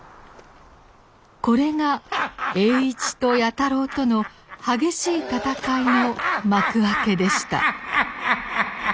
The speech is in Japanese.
これが栄一と弥太郎との激しい戦いの幕開けでした。